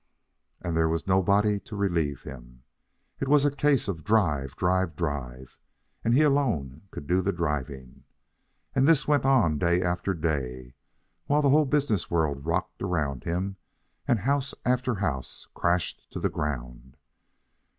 And there was nobody to relieve him. It was a case of drive, drive, drive, and he alone could do the driving. And this went on day after day, while the whole business world rocked around him and house after house crashed to the ground.